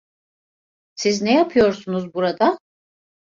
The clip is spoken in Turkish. Siz ne yapıyorsunuz burada?